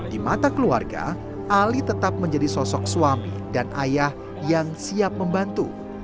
di mata keluarga ali tetap menjadi sosok suami dan ayah yang siap membantu